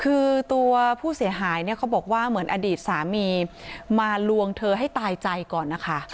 คือตัวผู้เสียหายเนี่ยเขาบอกว่าเหมือนอดีตสามีมาลวงเธอให้ตายใจก่อนนะคะ